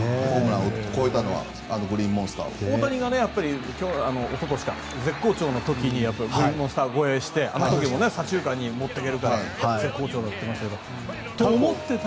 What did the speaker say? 越えたのは大谷がおととし絶好調の時にグリーンモンスター越えしてあの時も左中間に持っていけて絶好調かと思っていましたが。